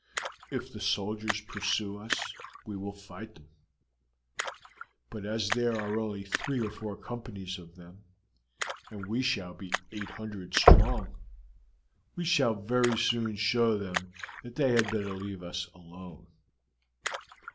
If the soldiers pursue us, we will fight them; but as there are only three or four companies of them, and we shall be eight hundred strong, we shall very soon show them that they had better leave us alone.